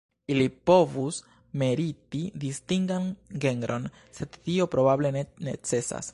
Ili povus meriti distingan genron, sed tio probable ne necesas.